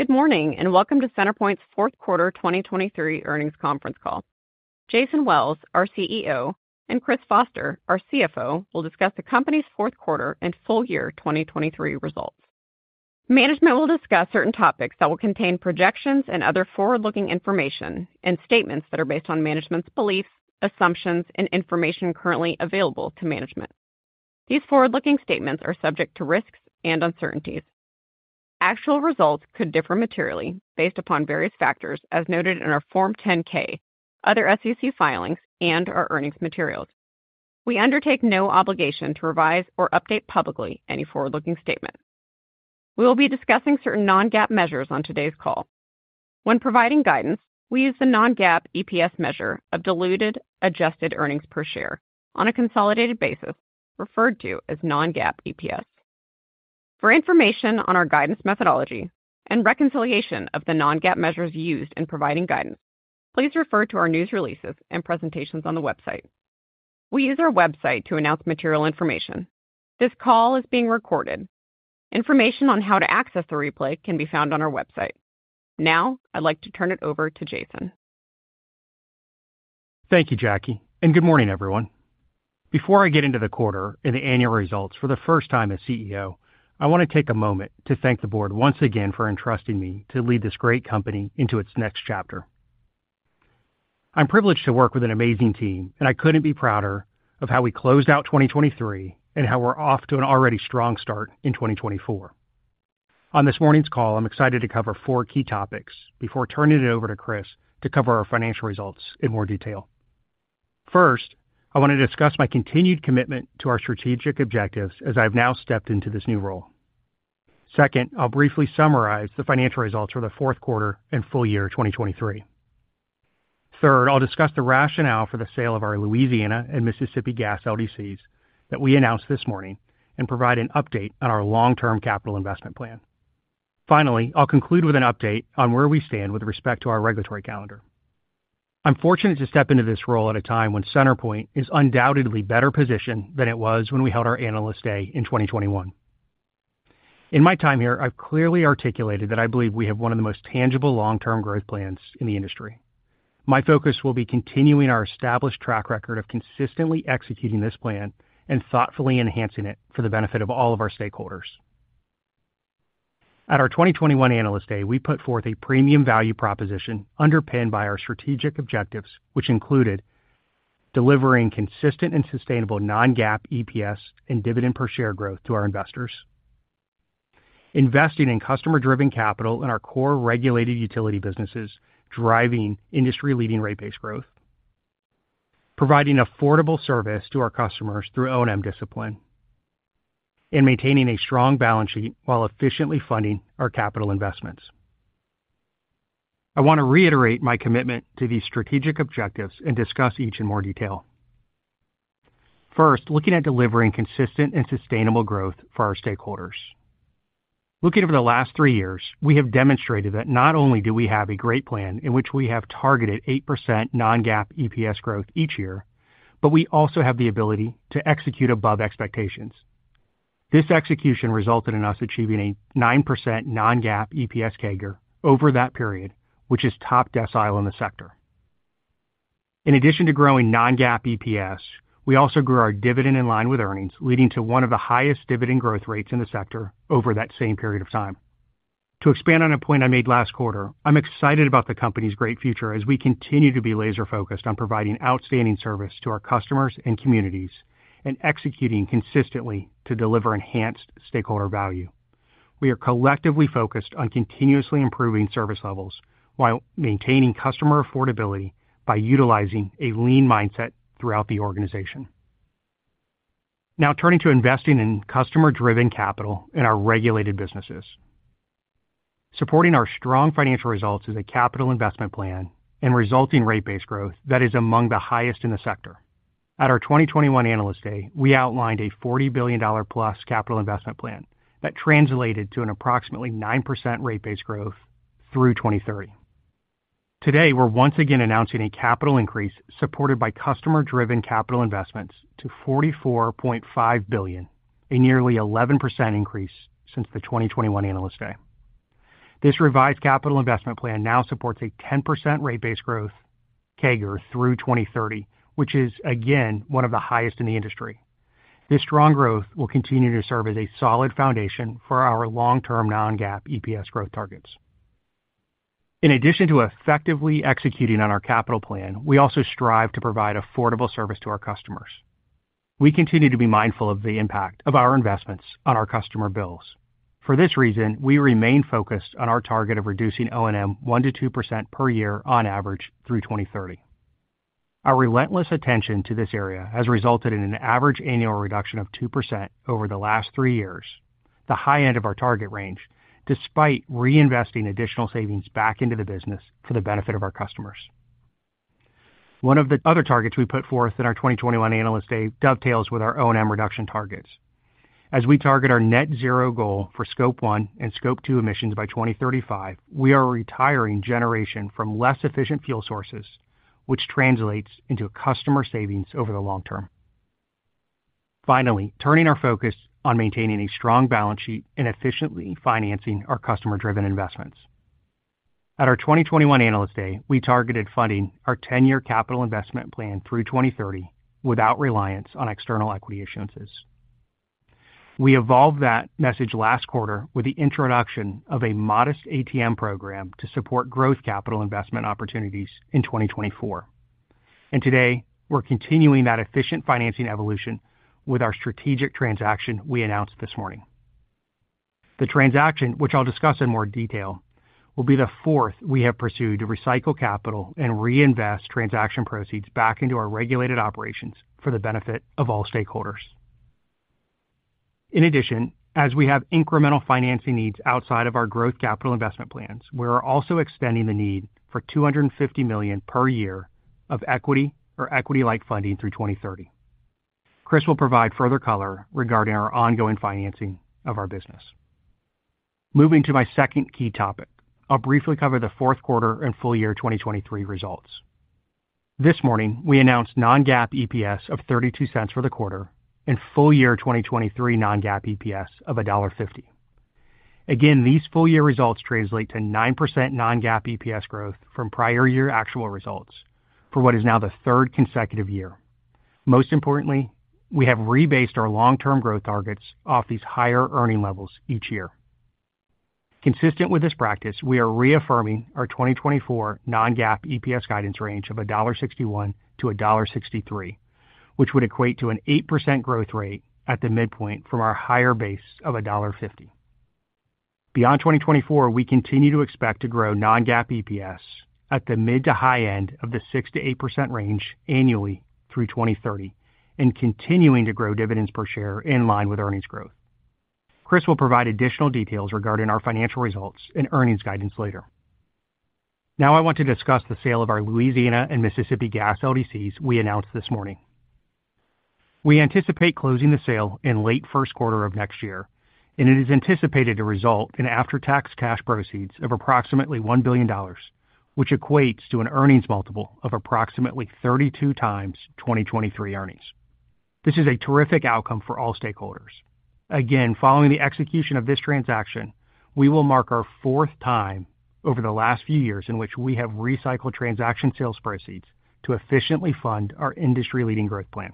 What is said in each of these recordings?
Good morning and welcome to CenterPoint's fourth quarter 2023 earnings conference call. Jason Wells, our CEO, and Chris Foster, our CFO, will discuss the company's fourth quarter and full year 2023 results. Management will discuss certain topics that will contain projections and other forward-looking information, and statements that are based on management's beliefs, assumptions, and information currently available to management. These forward-looking statements are subject to risks and uncertainties. Actual results could differ materially based upon various factors as noted in our Form 10-K, other SEC filings, and our earnings materials. We undertake no obligation to revise or update publicly any forward-looking statement. We will be discussing certain non-GAAP measures on today's call. When providing guidance, we use the non-GAAP EPS measure of diluted adjusted earnings per share on a consolidated basis, referred to as non-GAAP EPS. For information on our guidance methodology and reconciliation of the non-GAAP measures used in providing guidance, please refer to our news releases and presentations on the website. We use our website to announce material information. This call is being recorded. Information on how to access the replay can be found on our website. Now I'd like to turn it over to Jason. Thank you, Jackie, and good morning, everyone. Before I get into the quarter and the annual results for the first time as CEO, I want to take a moment to thank the board once again for entrusting me to lead this great company into its next chapter. I'm privileged to work with an amazing team, and I couldn't be prouder of how we closed out 2023 and how we're off to an already strong start in 2024. On this morning's call, I'm excited to cover four key topics before turning it over to Chris to cover our financial results in more detail. First, I want to discuss my continued commitment to our strategic objectives as I've now stepped into this new role. Second, I'll briefly summarize the financial results for the fourth quarter and full year 2023. Third, I'll discuss the rationale for the sale of our Louisiana and Mississippi gas LDCs that we announced this morning and provide an update on our long-term capital investment plan. Finally, I'll conclude with an update on where we stand with respect to our regulatory calendar. I'm fortunate to step into this role at a time when CenterPoint is undoubtedly better positioned than it was when we held our Analyst Day in 2021. In my time here, I've clearly articulated that I believe we have one of the most tangible long-term growth plans in the industry. My focus will be continuing our established track record of consistently executing this plan and thoughtfully enhancing it for the benefit of all of our stakeholders. At our 2021 Analyst Day, we put forth a premium value proposition underpinned by our strategic objectives, which included: delivering consistent and sustainable non-GAAP EPS and dividend per share growth to our investors, investing in customer-driven capital in our core regulated utility businesses driving industry-leading rate base growth, providing affordable service to our customers through O&M discipline, and maintaining a strong balance sheet while efficiently funding our capital investments. I want to reiterate my commitment to these strategic objectives and discuss each in more detail. First, looking at delivering consistent and sustainable growth for our stakeholders. Looking over the last three years, we have demonstrated that not only do we have a great plan in which we have targeted 8% non-GAAP EPS growth each year, but we also have the ability to execute above expectations. This execution resulted in us achieving a 9% non-GAAP EPS CAGR over that period, which is top decile in the sector. In addition to growing non-GAAP EPS, we also grew our dividend in line with earnings, leading to one of the highest dividend growth rates in the sector over that same period of time. To expand on a point I made last quarter, I'm excited about the company's great future as we continue to be laser-focused on providing outstanding service to our customers and communities and executing consistently to deliver enhanced stakeholder value. We are collectively focused on continuously improving service levels while maintaining customer affordability by utilizing a lean mindset throughout the organization. Now turning to investing in customer-driven capital in our regulated businesses. Supporting our strong financial results is a capital investment plan and resulting rate base growth that is among the highest in the sector. At our 2021 Analyst Day, we outlined a $40 billion+ capital investment plan that translated to an approximately 9% rate base growth through 2030. Today, we're once again announcing a capital increase supported by customer-driven capital investments to $44.5 billion, a nearly 11% increase since the 2021 Analyst Day. This revised capital investment plan now supports a 10% rate base growth CAGR through 2030, which is, again, one of the highest in the industry. This strong growth will continue to serve as a solid foundation for our long-term non-GAAP EPS growth targets. In addition to effectively executing on our capital plan, we also strive to provide affordable service to our customers. We continue to be mindful of the impact of our investments on our customer bills. For this reason, we remain focused on our target of reducing O&M 1%-2% per year on average through 2030. Our relentless attention to this area has resulted in an average annual reduction of 2% over the last three years, the high end of our target range, despite reinvesting additional savings back into the business for the benefit of our customers. One of the other targets we put forth in our 2021 Analyst Day dovetails with our O&M reduction targets. As we target our net-zero goal for Scope 1 and Scope 2 emissions by 2035, we are retiring generation from less efficient fuel sources, which translates into customer savings over the long term. Finally, turning our focus on maintaining a strong balance sheet and efficiently financing our customer-driven investments. At our 2021 Analyst Day, we targeted funding our 10-year capital investment plan through 2030 without reliance on external equity issuances. We evolved that message last quarter with the introduction of a modest ATM program to support growth capital investment opportunities in 2024. Today, we're continuing that efficient financing evolution with our strategic transaction we announced this morning. The transaction, which I'll discuss in more detail, will be the fourth we have pursued to recycle capital and reinvest transaction proceeds back into our regulated operations for the benefit of all stakeholders. In addition, as we have incremental financing needs outside of our growth capital investment plans, we are also extending the need for $250 million per year of equity or equity-like funding through 2030. Chris will provide further color regarding our ongoing financing of our business. Moving to my second key topic, I'll briefly cover the fourth quarter and full year 2023 results. This morning, we announced non-GAAP EPS of $0.32 for the quarter and full year 2023 non-GAAP EPS of $1.50. Again, these full year results translate to 9% non-GAAP EPS growth from prior year actual results for what is now the third consecutive year. Most importantly, we have rebased our long-term growth targets off these higher earning levels each year. Consistent with this practice, we are reaffirming our 2024 non-GAAP EPS guidance range of $1.61-$1.63, which would equate to an 8% growth rate at the midpoint from our higher base of $1.50. Beyond 2024, we continue to expect to grow non-GAAP EPS at the mid to high end of the 6%-8% range annually through 2030 and continuing to grow dividends per share in line with earnings growth. Chris will provide additional details regarding our financial results and earnings guidance later. Now I want to discuss the sale of our Louisiana and Mississippi gas LDCs we announced this morning. We anticipate closing the sale in late first quarter of next year, and it is anticipated to result in after-tax cash proceeds of approximately $1 billion, which equates to an earnings multiple of approximately 32x 2023 earnings. This is a terrific outcome for all stakeholders. Again, following the execution of this transaction, we will mark our fourth time over the last few years in which we have recycled transaction sales proceeds to efficiently fund our industry-leading growth plan.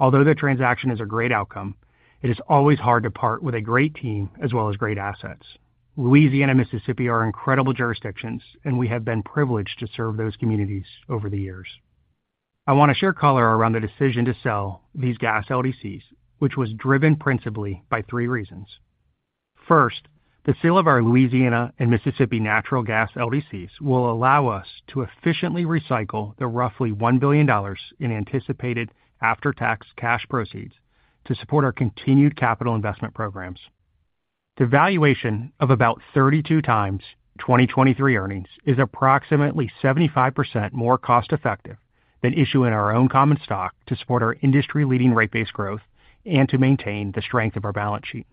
Although the transaction is a great outcome, it is always hard to part with a great team as well as great assets. Louisiana and Mississippi are incredible jurisdictions, and we have been privileged to serve those communities over the years. I want to share color around the decision to sell these gas LDCs, which was driven principally by three reasons. First, the sale of our Louisiana and Mississippi natural gas LDCs will allow us to efficiently recycle the roughly $1 billion in anticipated after-tax cash proceeds to support our continued capital investment programs. The valuation of about 32x 2023 earnings is approximately 75% more cost-effective than issuing our own common stock to support our industry-leading rate base growth and to maintain the strength of our balance sheet.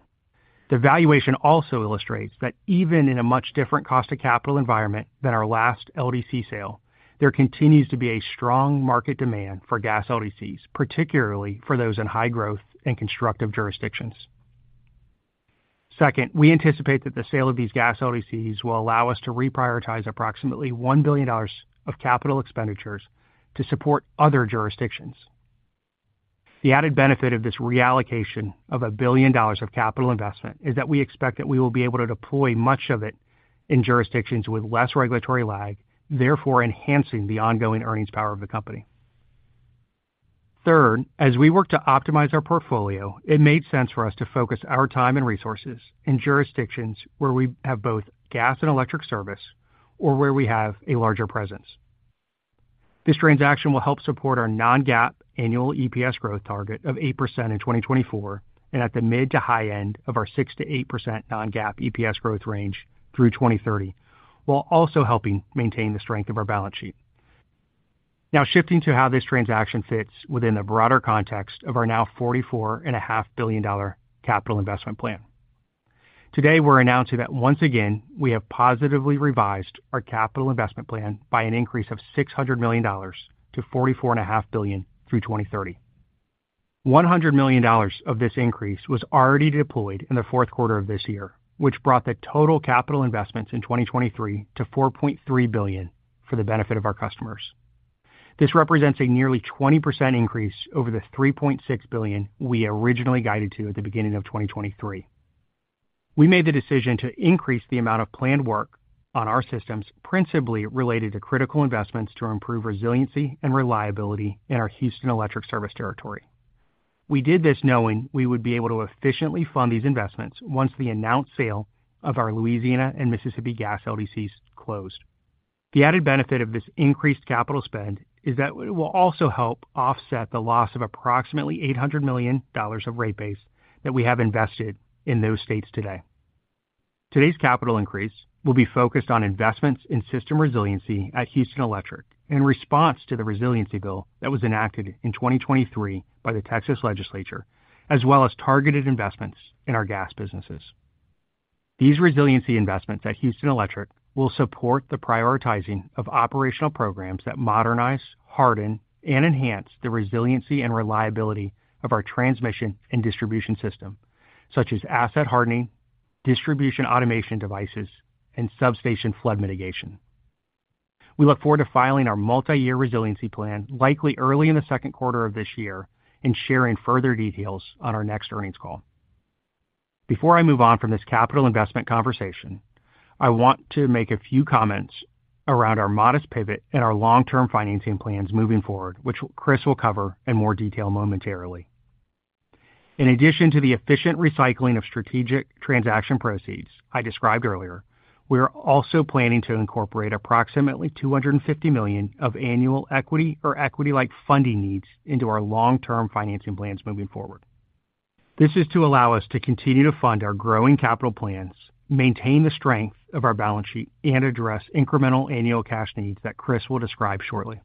The valuation also illustrates that even in a much different cost of capital environment than our last LDC sale, there continues to be a strong market demand for gas LDCs, particularly for those in high-growth and constructive jurisdictions. Second, we anticipate that the sale of these gas LDCs will allow us to reprioritize approximately $1 billion of capital expenditures to support other jurisdictions. The added benefit of this reallocation of $1 billion of capital investment is that we expect that we will be able to deploy much of it in jurisdictions with less regulatory lag, therefore enhancing the ongoing earnings power of the company. Third, as we work to optimize our portfolio, it made sense for us to focus our time and resources in jurisdictions where we have both gas and electric service or where we have a larger presence. This transaction will help support our non-GAAP annual EPS growth target of 8% in 2024 and at the mid to high end of our 6%-8% non-GAAP EPS growth range through 2030, while also helping maintain the strength of our balance sheet. Now shifting to how this transaction fits within the broader context of our now $44.5 billion capital investment plan. Today, we're announcing that once again we have positively revised our capital investment plan by an increase of $600 million to $44.5 billion through 2030. $100 million of this increase was already deployed in the fourth quarter of this year, which brought the total capital investments in 2023 to $4.3 billion for the benefit of our customers. This represents a nearly 20% increase over the $3.6 billion we originally guided to at the beginning of 2023. We made the decision to increase the amount of planned work on our systems principally related to critical investments to improve resiliency and reliability in our Houston electric service territory. We did this knowing we would be able to efficiently fund these investments once the announced sale of our Louisiana and Mississippi gas LDCs closed. The added benefit of this increased capital spend is that it will also help offset the loss of approximately $800 million of rate base that we have invested in those states today. Today's capital increase will be focused on investments in system resiliency at Houston Electric in response to the Resiliency Bill that was enacted in 2023 by the Texas Legislature, as well as targeted investments in our gas businesses. These resiliency investments at Houston Electric will support the prioritizing of operational programs that modernize, harden, and enhance the resiliency and reliability of our transmission and distribution system, such as asset hardening, distribution automation devices, and substation flood mitigation. We look forward to filing our multi-year resiliency plan likely early in the second quarter of this year and sharing further details on our next earnings call. Before I move on from this capital investment conversation, I want to make a few comments around our modest pivot and our long-term financing plans moving forward, which Chris will cover in more detail momentarily. In addition to the efficient recycling of strategic transaction proceeds I described earlier, we are also planning to incorporate approximately $250 million of annual equity or equity-like funding needs into our long-term financing plans moving forward. This is to allow us to continue to fund our growing capital plans, maintain the strength of our balance sheet, and address incremental annual cash needs that Chris will describe shortly.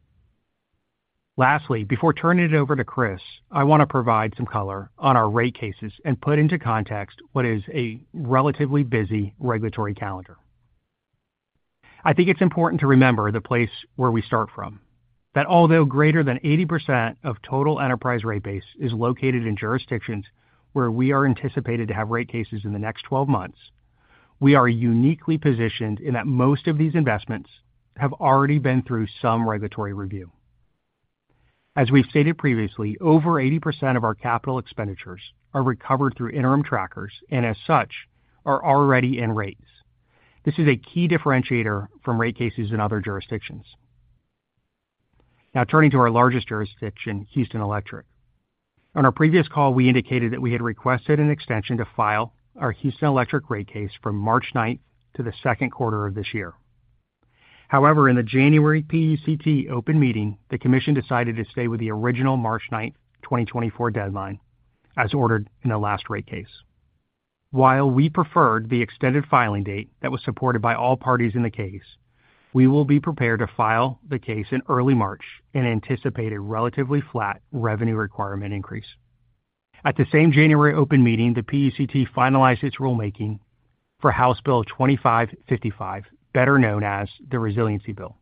Lastly, before turning it over to Chris, I want to provide some color on our rate cases and put into context what is a relatively busy regulatory calendar. I think it's important to remember the place where we start from. That, although greater than 80% of total enterprise rate base is located in jurisdictions where we are anticipated to have rate cases in the next 12 months, we are uniquely positioned in that most of these investments have already been through some regulatory review. As we've stated previously, over 80% of our capital expenditures are recovered through interim trackers and, as such, are already in rates. This is a key differentiator from rate cases in other jurisdictions. Now turning to our largest jurisdiction, Houston Electric. On our previous call, we indicated that we had requested an extension to file our Houston Electric rate case from March 9th to the second quarter of this year. However, in the January PUCT open meeting, the commission decided to stay with the original March 9th, 2024 deadline as ordered in the last rate case. While we preferred the extended filing date that was supported by all parties in the case, we will be prepared to file the case in early March and anticipate a relatively flat revenue requirement increase. At the same January open meeting, the PUCT finalized its rulemaking for House Bill 2555, better known as the Resiliency Bill.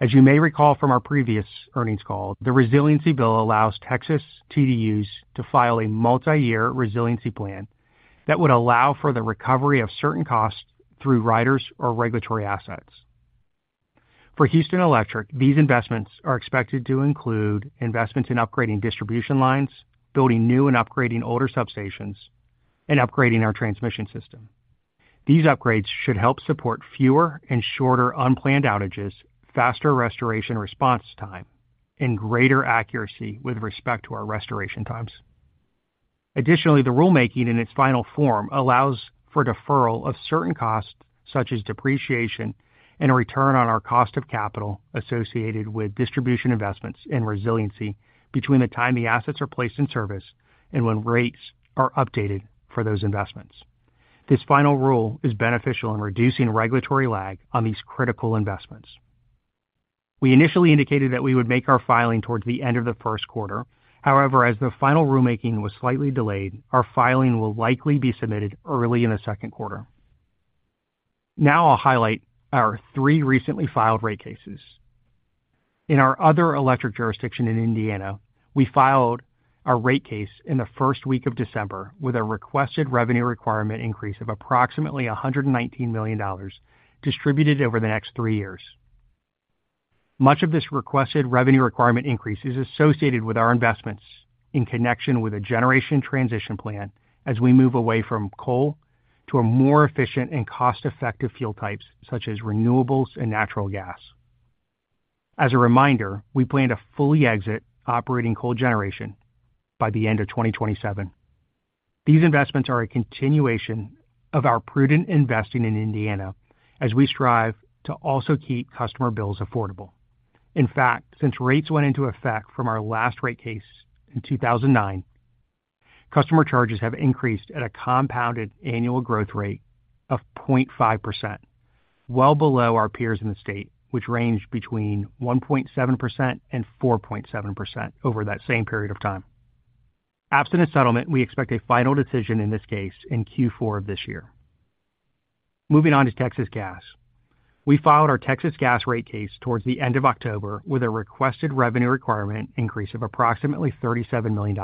As you may recall from our previous earnings call, the Resiliency Bill allows Texas TDUs to file a multi-year resiliency plan that would allow for the recovery of certain costs through riders or regulatory assets. For Houston Electric, these investments are expected to include investments in upgrading distribution lines, building new and upgrading older substations, and upgrading our transmission system. These upgrades should help support fewer and shorter unplanned outages, faster restoration response time, and greater accuracy with respect to our restoration times. Additionally, the rulemaking in its final form allows for deferral of certain costs such as depreciation and a return on our cost of capital associated with distribution investments and resiliency between the time the assets are placed in service and when rates are updated for those investments. This final rule is beneficial in reducing regulatory lag on these critical investments. We initially indicated that we would make our filing towards the end of the first quarter. However, as the final rulemaking was slightly delayed, our filing will likely be submitted early in the second quarter. Now I'll highlight our three recently filed rate cases. In our other electric jurisdiction in Indiana, we filed our rate case in the first week of December with a requested revenue requirement increase of approximately $119 million distributed over the next three years. Much of this requested revenue requirement increase is associated with our investments in connection with a generation transition plan as we move away from coal to more efficient and cost-effective fuel types such as renewables and natural gas. As a reminder, we plan to fully exit operating coal generation by the end of 2027. These investments are a continuation of our prudent investing in Indiana as we strive to also keep customer bills affordable. In fact, since rates went into effect from our last rate case in 2009, customer charges have increased at a compounded annual growth rate of 0.5%, well below our peers in the state, which ranged between 1.7%-4.7% over that same period of time. Absent a settlement, we expect a final decision in this case in Q4 of this year. Moving on to Texas Gas. We filed our Texas Gas rate case towards the end of October with a requested revenue requirement increase of approximately $37 million.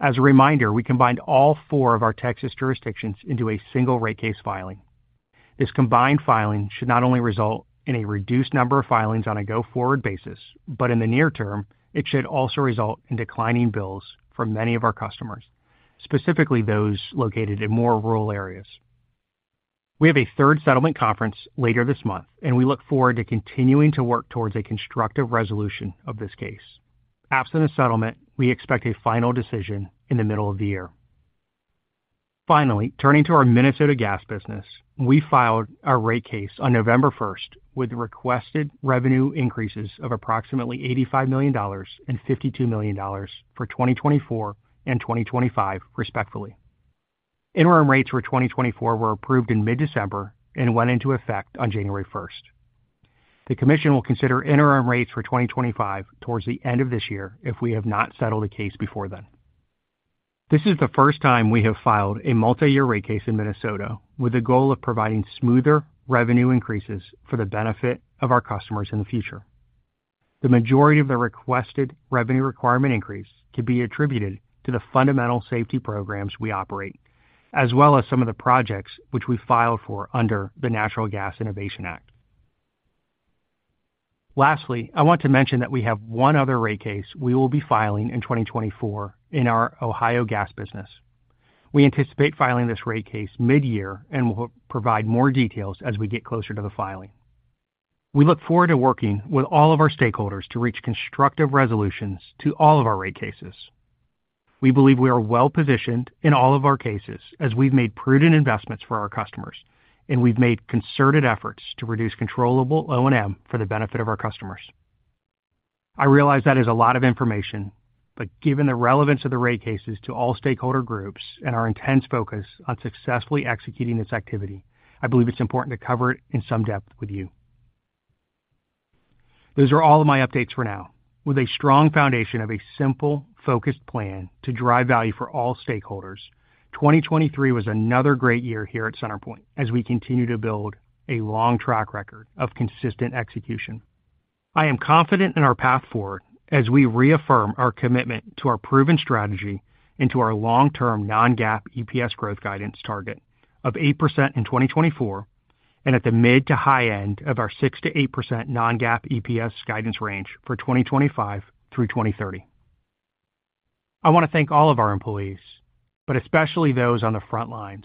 As a reminder, we combined all four of our Texas jurisdictions into a single rate case filing. This combined filing should not only result in a reduced number of filings on a go-forward basis, but in the near term, it should also result in declining bills for many of our customers, specifically those located in more rural areas. We have a third settlement conference later this month, and we look forward to continuing to work towards a constructive resolution of this case. Absent a settlement, we expect a final decision in the middle of the year. Finally, turning to our Minnesota Gas business, we filed our rate case on November 1st with requested revenue increases of approximately $85 million and $52 million for 2024 and 2025 respectively. Interim rates for 2024 were approved in mid-December and went into effect on January 1st. The commission will consider interim rates for 2025 towards the end of this year if we have not settled a case before then. This is the first time we have filed a multi-year rate case in Minnesota with the goal of providing smoother revenue increases for the benefit of our customers in the future. The majority of the requested revenue requirement increase could be attributed to the fundamental safety programs we operate, as well as some of the projects which we filed for under the Natural Gas Innovation Act. Lastly, I want to mention that we have one other rate case we will be filing in 2024 in our Ohio Gas business. We anticipate filing this rate case mid-year and will provide more details as we get closer to the filing. We look forward to working with all of our stakeholders to reach constructive resolutions to all of our rate cases. We believe we are well positioned in all of our cases as we've made prudent investments for our customers, and we've made concerted efforts to reduce controllable O&M for the benefit of our customers. I realize that is a lot of information, but given the relevance of the rate cases to all stakeholder groups and our intense focus on successfully executing this activity, I believe it's important to cover it in some depth with you. Those are all of my updates for now. With a strong foundation of a simple, focused plan to drive value for all stakeholders, 2023 was another great year here at CenterPoint as we continue to build a long track record of consistent execution. I am confident in our path forward as we reaffirm our commitment to our proven strategy into our long-term non-GAAP EPS growth guidance target of 8% in 2024 and at the mid to high end of our 6%-8% non-GAAP EPS guidance range for 2025 through 2030. I want to thank all of our employees, but especially those on the front lines,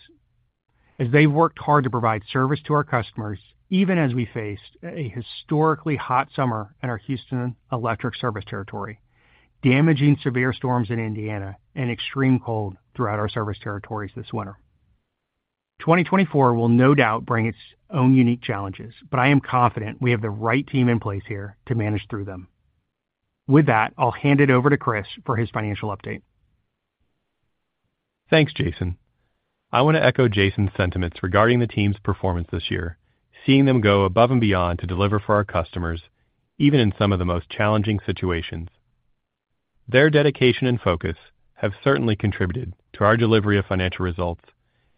as they've worked hard to provide service to our customers even as we faced a historically hot summer in our Houston Electric service territory, damaging severe storms in Indiana and extreme cold throughout our service territories this winter. 2024 will no doubt bring its own unique challenges, but I am confident we have the right team in place here to manage through them. With that, I'll hand it over to Chris for his financial update. Thanks, Jason. I want to echo Jason's sentiments regarding the team's performance this year, seeing them go above and beyond to deliver for our customers even in some of the most challenging situations. Their dedication and focus have certainly contributed to our delivery of financial results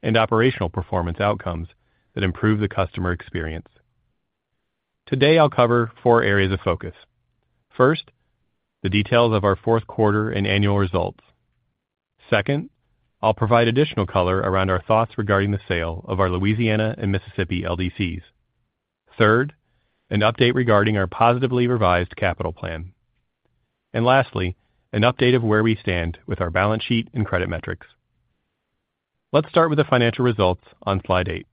and operational performance outcomes that improve the customer experience. Today, I'll cover four areas of focus. First, the details of our fourth quarter and annual results. Second, I'll provide additional color around our thoughts regarding the sale of our Louisiana and Mississippi LDCs. Third, an update regarding our positively revised capital plan. And lastly, an update of where we stand with our balance sheet and credit metrics. Let's start with the financial results on slide eight.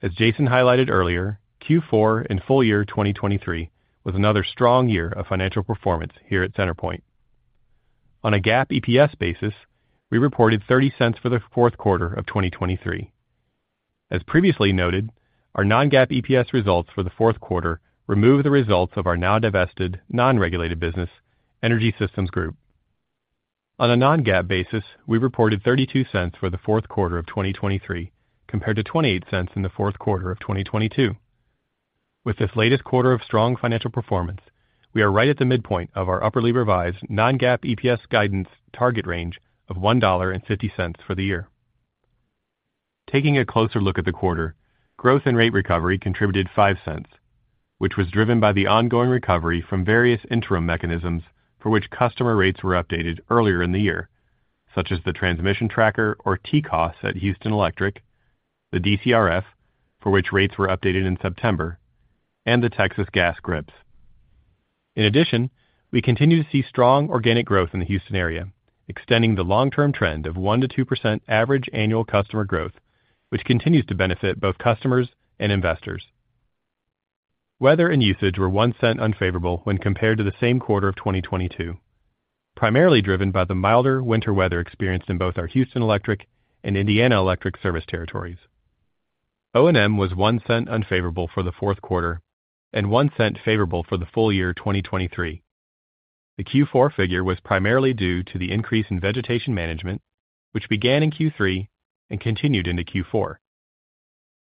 As Jason highlighted earlier, Q4 and full year 2023 was another strong year of financial performance here at CenterPoint. On a GAAP EPS basis, we reported $0.30 for the fourth quarter of 2023. As previously noted, our non-GAAP EPS results for the fourth quarter remove the results of our now divested non-regulated business, Energy Systems Group. On a non-GAAP basis, we reported $0.32 for the fourth quarter of 2023 compared to $0.28 in the fourth quarter of 2022. With this latest quarter of strong financial performance, we are right at the midpoint of our upwardly revised non-GAAP EPS guidance target range of $1.50 for the year. Taking a closer look at the quarter, growth and rate recovery contributed $0.05, which was driven by the ongoing recovery from various interim mechanisms for which customer rates were updated earlier in the year, such as the transmission tracker or TCOS at Houston Electric, the DCRF, for which rates were updated in September, and the Texas Gas GRIP. In addition, we continue to see strong organic growth in the Houston area, extending the long-term trend of 1%-2% average annual customer growth, which continues to benefit both customers and investors. Weather and usage were $0.01 unfavorable when compared to the same quarter of 2022, primarily driven by the milder winter weather experienced in both our Houston Electric and Indiana Electric service territories. O&M was $0.01 unfavorable for the fourth quarter and $0.01 favorable for the full year 2023. The Q4 figure was primarily due to the increase in vegetation management, which began in Q3 and continued into Q4.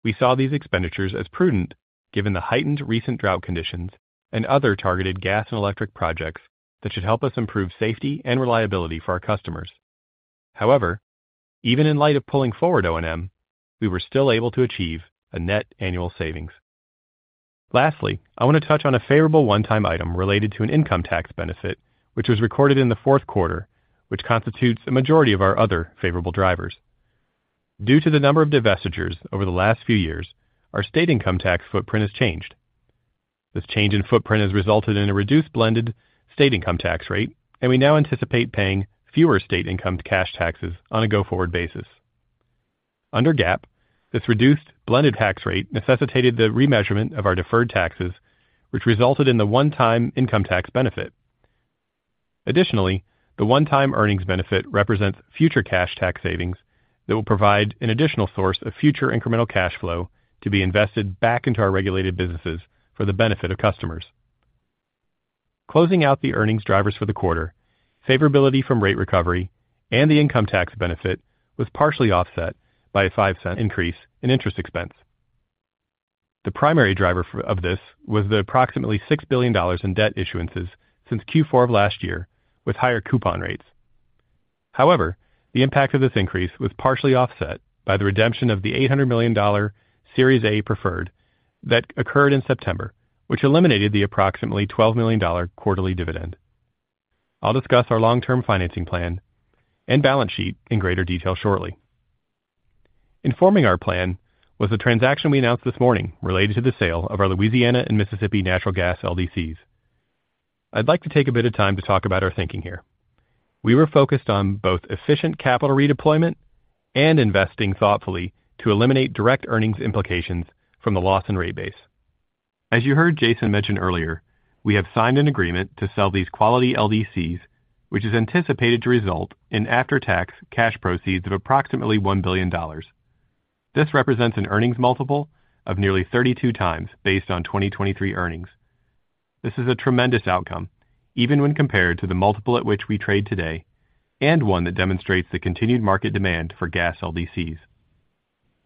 We saw these expenditures as prudent given the heightened recent drought conditions and other targeted gas and electric projects that should help us improve safety and reliability for our customers. However, even in light of pulling forward O&M, we were still able to achieve a net annual savings. Lastly, I want to touch on a favorable one-time item related to an income tax benefit, which was recorded in the fourth quarter, which constitutes a majority of our other favorable drivers. Due to the number of divestitures over the last few years, our state income tax footprint has changed. This change in footprint has resulted in a reduced blended state income tax rate, and we now anticipate paying fewer state income cash taxes on a go-forward basis. Under GAAP, this reduced blended tax rate necessitated the remeasurement of our deferred taxes, which resulted in the one-time income tax benefit. Additionally, the one-time earnings benefit represents future cash tax savings that will provide an additional source of future incremental cash flow to be invested back into our regulated businesses for the benefit of customers. Closing out the earnings drivers for the quarter, favorability from rate recovery and the income tax benefit was partially offset by a $0.05 increase in interest expense. The primary driver of this was the approximately $6 billion in debt issuances since Q4 of last year with higher coupon rates. However, the impact of this increase was partially offset by the redemption of the $800 million Series A preferred that occurred in September, which eliminated the approximately $12 million quarterly dividend. I'll discuss our long-term financing plan and balance sheet in greater detail shortly. Informing our plan was the transaction we announced this morning related to the sale of our Louisiana and Mississippi natural gas LDCs. I'd like to take a bit of time to talk about our thinking here. We were focused on both efficient capital redeployment and investing thoughtfully to eliminate direct earnings implications from the loss in rate base. As you heard Jason mention earlier, we have signed an agreement to sell these quality LDCs, which is anticipated to result in after-tax cash proceeds of approximately $1 billion. This represents an earnings multiple of nearly 32x based on 2023 earnings. This is a tremendous outcome, even when compared to the multiple at which we trade today, and one that demonstrates the continued market demand for gas LDCs.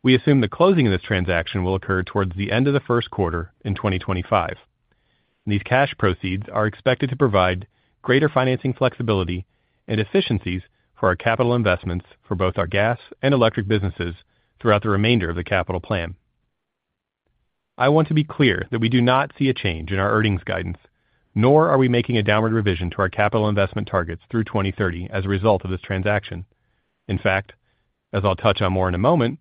We assume the closing of this transaction will occur towards the end of the first quarter in 2025. These cash proceeds are expected to provide greater financing flexibility and efficiencies for our capital investments for both our gas and electric businesses throughout the remainder of the capital plan. I want to be clear that we do not see a change in our earnings guidance, nor are we making a downward revision to our capital investment targets through 2030 as a result of this transaction. In fact, as I'll touch on more in a moment,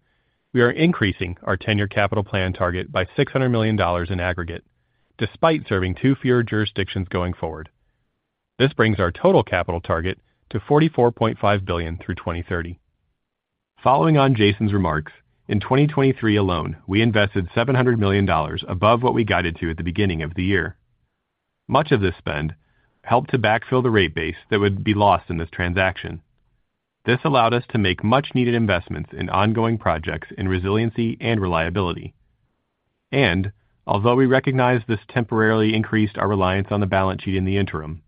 we are increasing our ten-year capital plan target by $600 million in aggregate, despite serving two fewer jurisdictions going forward. This brings our total capital target to $44.5 billion through 2030. Following on Jason's remarks, in 2023 alone, we invested $700 million above what we guided to at the beginning of the year. Much of this spend helped to backfill the rate base that would be lost in this transaction. This allowed us to make much-needed investments in ongoing projects in resiliency and reliability. Although we recognize this temporarily increased our reliance on the balance sheet in the interim,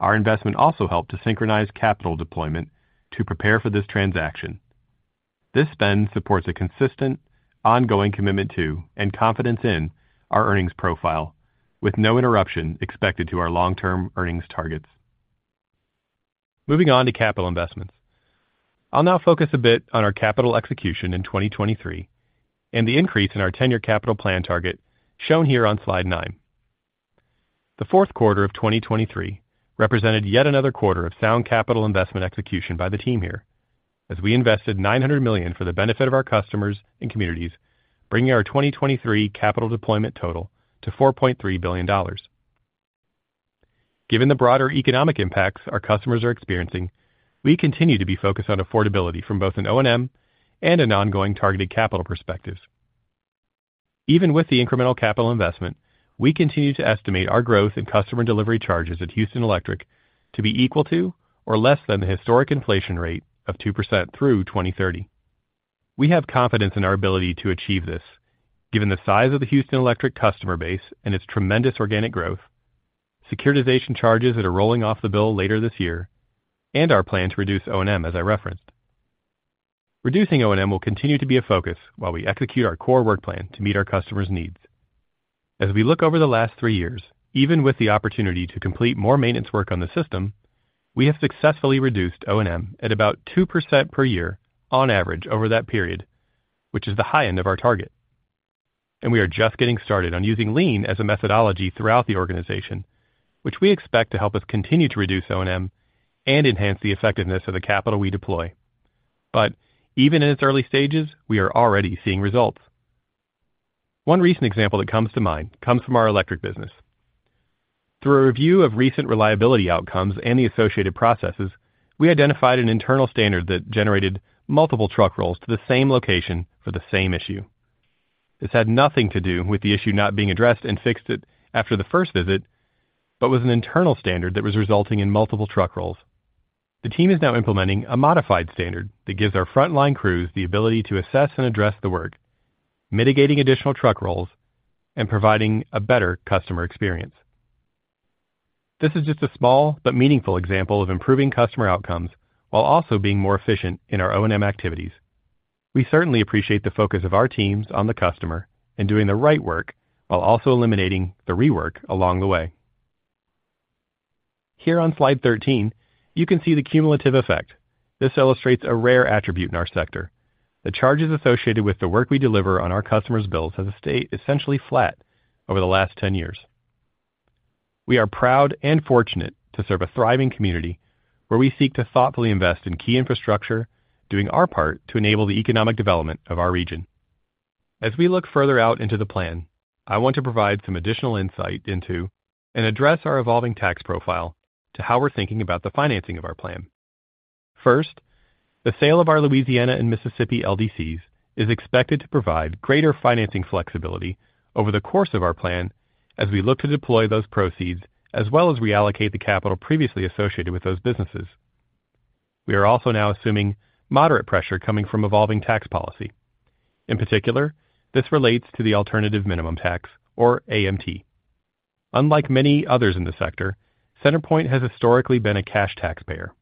our investment also helped to synchronize capital deployment to prepare for this transaction. This spend supports a consistent, ongoing commitment to and confidence in our earnings profile, with no interruption expected to our long-term earnings targets. Moving on to capital investments. I'll now focus a bit on our capital execution in 2023 and the increase in our ten-year capital plan target shown here on slide 9. The fourth quarter of 2023 represented yet another quarter of sound capital investment execution by the team here, as we invested $900 million for the benefit of our customers and communities, bringing our 2023 capital deployment total to $4.3 billion. Given the broader economic impacts our customers are experiencing, we continue to be focused on affordability from both an O&M and an ongoing targeted capital perspective. Even with the incremental capital investment, we continue to estimate our growth in customer delivery charges at Houston Electric to be equal to or less than the historic inflation rate of 2% through 2030. We have confidence in our ability to achieve this, given the size of the Houston Electric customer base and its tremendous organic growth, securitization charges that are rolling off the bill later this year, and our plan to reduce O&M as I referenced. Reducing O&M will continue to be a focus while we execute our core work plan to meet our customers' needs. As we look over the last three years, even with the opportunity to complete more maintenance work on the system, we have successfully reduced O&M at about 2% per year on average over that period, which is the high end of our target. And we are just getting started on using lean as a methodology throughout the organization, which we expect to help us continue to reduce O&M and enhance the effectiveness of the capital we deploy. But even in its early stages, we are already seeing results. One recent example that comes to mind comes from our electric business. Through a review of recent reliability outcomes and the associated processes, we identified an internal standard that generated multiple truck rolls to the same location for the same issue. This had nothing to do with the issue not being addressed and fixed after the first visit but was an internal standard that was resulting in multiple truck rolls. The team is now implementing a modified standard that gives our frontline crews the ability to assess and address the work, mitigating additional truck rolls, and providing a better customer experience. This is just a small but meaningful example of improving customer outcomes while also being more efficient in our O&M activities. We certainly appreciate the focus of our teams on the customer and doing the right work while also eliminating the rework along the way. Here on slide 13, you can see the cumulative effect. This illustrates a rare attribute in our sector: the charges associated with the work we deliver on our customers' bills as a state essentially flat over the last 10 years. We are proud and fortunate to serve a thriving community where we seek to thoughtfully invest in key infrastructure, doing our part to enable the economic development of our region. As we look further out into the plan, I want to provide some additional insight into and address our evolving tax profile to how we're thinking about the financing of our plan. First, the sale of our Louisiana and Mississippi LDCs is expected to provide greater financing flexibility over the course of our plan as we look to deploy those proceeds as well as reallocate the capital previously associated with those businesses. We are also now assuming moderate pressure coming from evolving tax policy. In particular, this relates to the Alternative Minimum Tax, or AMT. Unlike many others in the sector, CenterPoint has historically been a cash taxpayer.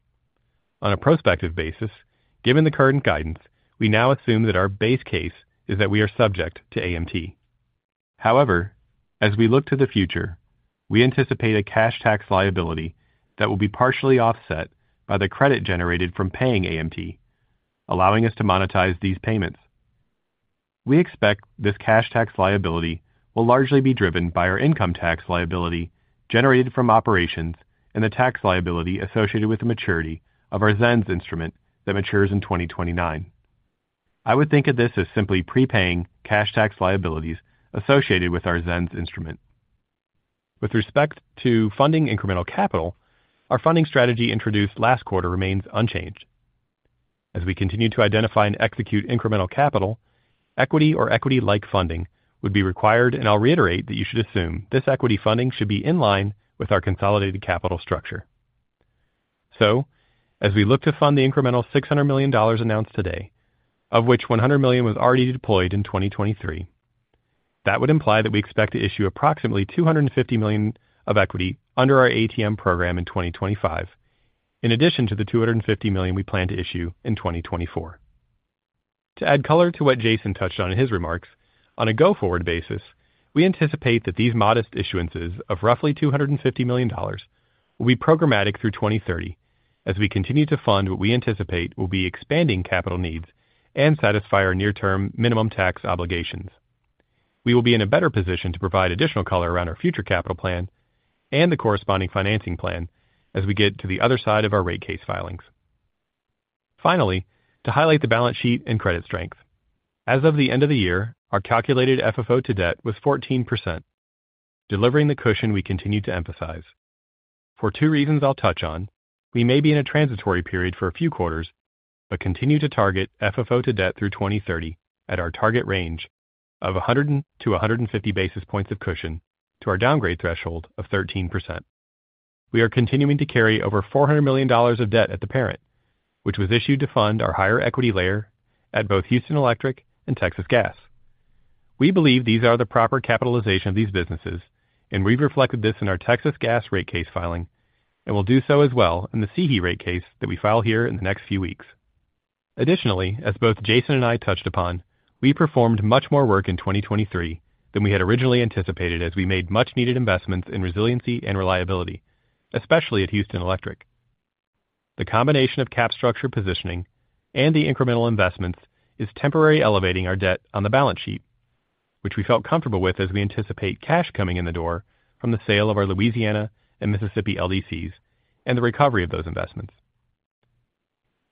On a prospective basis, given the current guidance, we now assume that our base case is that we are subject to AMT. However, as we look to the future, we anticipate a cash tax liability that will be partially offset by the credit generated from paying AMT, allowing us to monetize these payments. We expect this cash tax liability will largely be driven by our income tax liability generated from operations and the tax liability associated with the maturity of our ZENS instrument that matures in 2029. I would think of this as simply prepaying cash tax liabilities associated with our ZENS instrument. With respect to funding incremental capital, our funding strategy introduced last quarter remains unchanged. As we continue to identify and execute incremental capital, equity or equity-like funding would be required, and I'll reiterate that you should assume this equity funding should be in line with our consolidated capital structure. So, as we look to fund the incremental $600 million announced today, of which $100 million was already deployed in 2023, that would imply that we expect to issue approximately $250 million of equity under our ATM program in 2025, in addition to the $250 million we plan to issue in 2024. To add color to what Jason touched on in his remarks, on a go-forward basis, we anticipate that these modest issuances of roughly $250 million will be programmatic through 2030 as we continue to fund what we anticipate will be expanding capital needs and satisfy our near-term minimum tax obligations. We will be in a better position to provide additional color around our future capital plan and the corresponding financing plan as we get to the other side of our rate case filings. Finally, to highlight the balance sheet and credit strength: as of the end of the year, our calculated FFO to debt was 14%, delivering the cushion we continue to emphasize. For two reasons I'll touch on, we may be in a transitory period for a few quarters but continue to target FFO to debt through 2030 at our target range of 100-150 basis points of cushion to our downgrade threshold of 13%. We are continuing to carry over $400 million of debt at the parent, which was issued to fund our higher equity layer at both Houston Electric and Texas Gas. We believe these are the proper capitalization of these businesses, and we've reflected this in our Texas Gas rate case filing and will do so as well in the CEHE rate case that we file here in the next few weeks. Additionally, as both Jason and I touched upon, we performed much more work in 2023 than we had originally anticipated as we made much-needed investments in resiliency and reliability, especially at Houston Electric. The combination of capital structure positioning and the incremental investments is temporarily elevating our debt on the balance sheet, which we felt comfortable with as we anticipate cash coming in the door from the sale of our Louisiana and Mississippi LDCs and the recovery of those investments.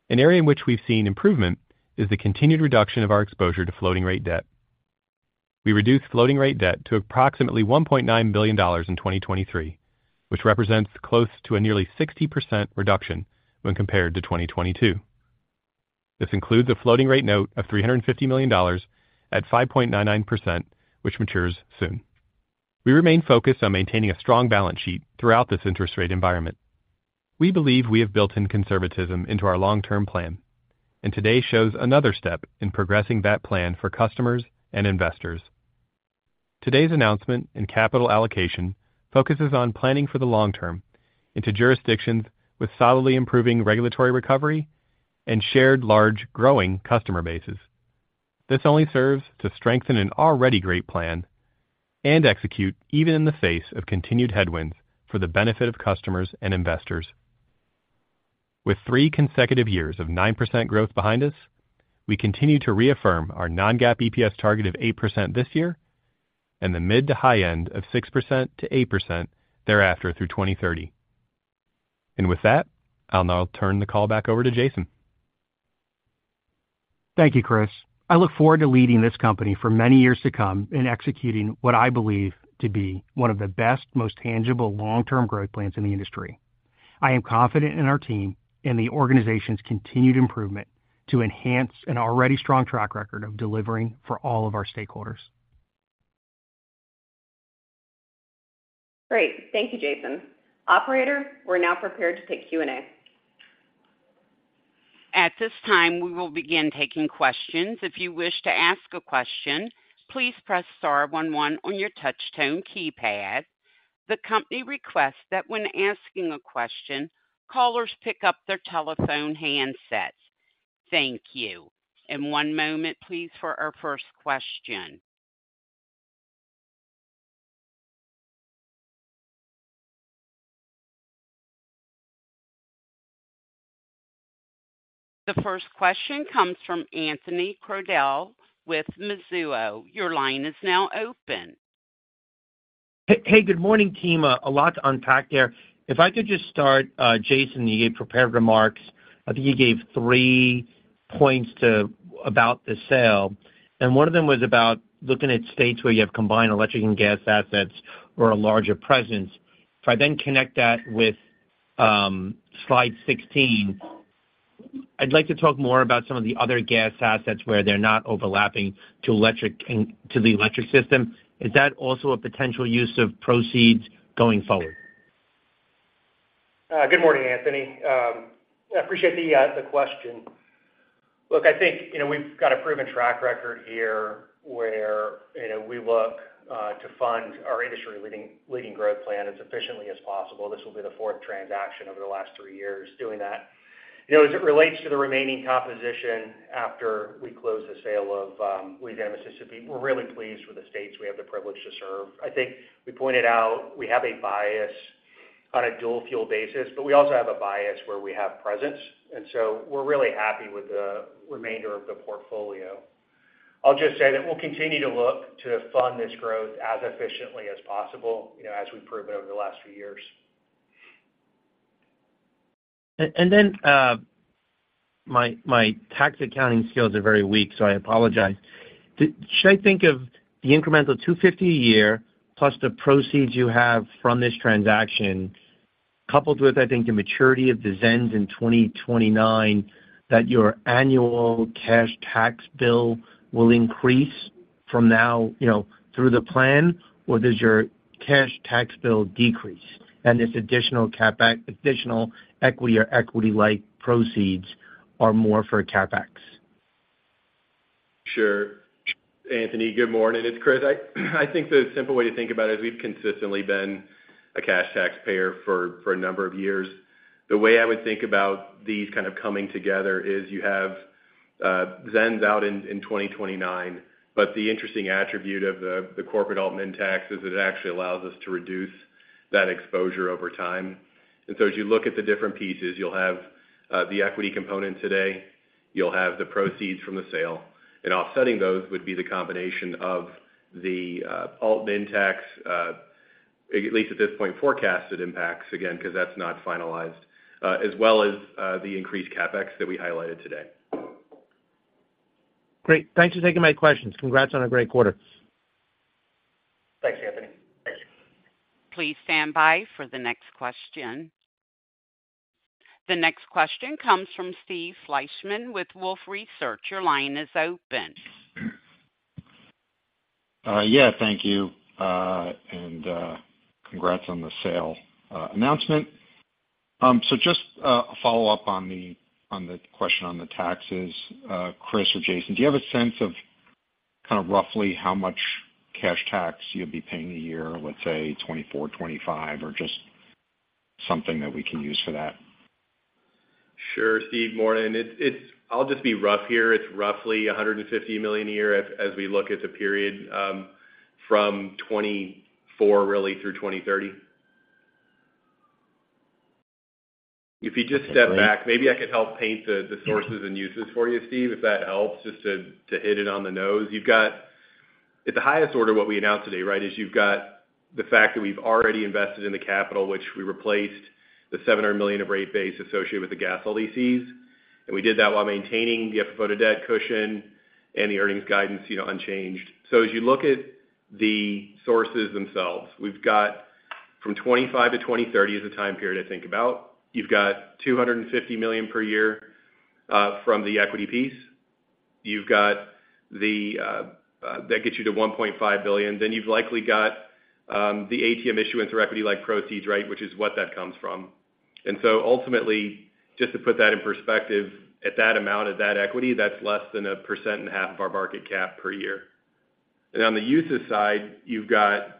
An area in which we've seen improvement is the continued reduction of our exposure to floating rate debt. We reduced floating rate debt to approximately $1.9 billion in 2023, which represents close to a nearly 60% reduction when compared to 2022. This includes a floating rate note of $350 million at 5.99%, which matures soon. We remain focused on maintaining a strong balance sheet throughout this interest rate environment. We believe we have built-in conservatism into our long-term plan, and today shows another step in progressing that plan for customers and investors. Today's announcement in capital allocation focuses on planning for the long-term into jurisdictions with solidly improving regulatory recovery and shared large, growing customer bases. This only serves to strengthen an already great plan and execute even in the face of continued headwinds for the benefit of customers and investors. With three consecutive years of 9% growth behind us, we continue to reaffirm our non-GAAP EPS target of 8% this year and the mid- to high-end of 6%-8% thereafter through 2030. With that, I'll now turn the call back over to Jason. Thank you, Chris. I look forward to leading this company for many years to come in executing what I believe to be one of the best, most tangible long-term growth plans in the industry. I am confident in our team and the organization's continued improvement to enhance an already strong track record of delivering for all of our stakeholders. Great. Thank you, Jason. Operator, we're now prepared to take Q&A. At this time, we will begin taking questions. If you wish to ask a question, please press star 1 1 on your touch-tone keypad. The company requests that when asking a question, callers pick up their telephone handsets. Thank you. One moment, please, for our first question. The first question comes from Anthony Crowdell with Mizuho. Your line is now open. Hey, good morning, team. A lot to unpack there. If I could just start, Jason, you gave prepared remarks. I think you gave three points about the sale, and one of them was about looking at states where you have combined electric and gas assets or a larger presence. If I then connect that with slide 16, I'd like to talk more about some of the other gas assets where they're not overlapping to the electric system. Is that also a potential use of proceeds going forward? Good morning, Anthony. I appreciate the question. Look, I think we've got a proven track record here where we look to fund our industry-leading growth plan as efficiently as possible. This will be the fourth transaction over the last three years doing that. As it relates to the remaining composition after we close the sale of Louisiana and Mississippi, we're really pleased with the states we have the privilege to serve. I think we pointed out we have a bias on a dual-fuel basis, but we also have a bias where we have presence. And so we're really happy with the remainder of the portfolio. I'll just say that we'll continue to look to fund this growth as efficiently as possible as we've proven over the last few years. Then my tax accounting skills are very weak, so I apologize. Should I think of the incremental $250 a year plus the proceeds you have from this transaction, coupled with, I think, the maturity of the ZENS in 2029, that your annual cash tax bill will increase from now through the plan, or does your cash tax bill decrease and this additional equity or equity-like proceeds are more for CapEx? Sure, Anthony. Good morning. It's Chris. I think the simple way to think about it is we've consistently been a cash taxpayer for a number of years. The way I would think about these kind of coming together is you have ZENS out in 2029, but the interesting attribute of the corporate alternative minimum tax is that it actually allows us to reduce that exposure over time. And so as you look at the different pieces, you'll have the equity component today. You'll have the proceeds from the sale. And offsetting those would be the combination of the alternative minimum tax, at least at this point, forecasted impacts, again, because that's not finalized, as well as the increased CapEx that we highlighted today. Great. Thanks for taking my questions. Congrats on a great quarter. Thanks, Anthony. Please stand by for the next question. The next question comes from Steve Fleishman with Wolfe Research. Your line is open. Yeah, thank you. And congrats on the sale announcement. So just a follow-up on the question on the taxes. Chris or Jason, do you have a sense of kind of roughly how much cash tax you'd be paying a year, let's say 2024, 2025, or just something that we can use for that? Sure, Steve. Morning. I'll just be rough here. It's roughly $150 million a year as we look at the period from 2024, really, through 2030. If you just step back, maybe I could help paint the sources and uses for you, Steve, if that helps, just to hit it on the nose. At the highest order, what we announced today, right, is you've got the fact that we've already invested in the capital, which we replaced the $700 million of rate base associated with the gas LDCs. And we did that while maintaining the FFO to debt cushion and the earnings guidance unchanged. So as you look at the sources themselves, we've got from 2025 to 2030 is the time period to think about. You've got $250 million per year from the equity piece. That gets you to $1.5 billion. Then you've likely got the ATM issuance or equity-like proceeds, right, which is what that comes from. And so ultimately, just to put that in perspective, at that amount of that equity, that's less than 1.5% of our market cap per year. And on the uses side, you've got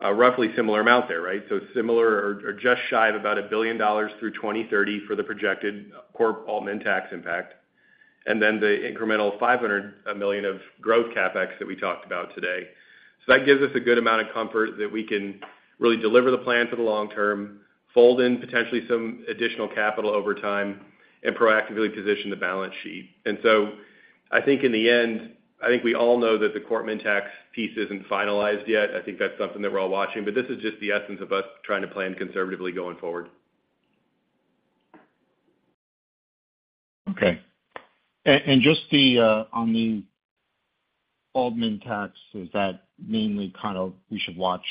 a roughly similar amount there, right? So similar or just shy of about $1 billion through 2030 for the projected corporate AMT impact, and then the incremental $500 million of growth CapEx that we talked about today. So that gives us a good amount of comfort that we can really deliver the plan for the long term, fold in potentially some additional capital over time, and proactively position the balance sheet. And so I think in the end, I think we all know that the corporate AMT piece isn't finalized yet. I think that's something that we're all watching. But this is just the essence of us trying to plan conservatively going forward. Okay. And just on the Alternative Minimum Tax, is that mainly kind of we should watch